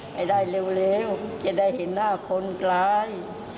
ให้ได้เร็วจะได้เห็นหน้าคนร้าย